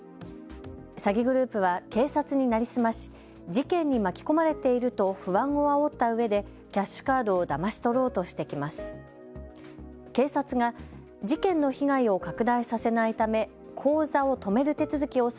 詐欺グループは警察に成り済まし事件に巻き込まれていると不安をあおったうえでキャッシュカードをだまし取ろうとしてきます。